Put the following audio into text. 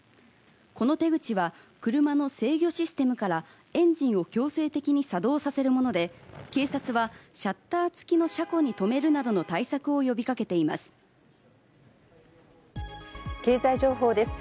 この手口は車の制御システムからエンジンを強制的に作動させるもので、警察はシャッター付きの車庫に止めるなどの対策を呼びかけていま経済情報です。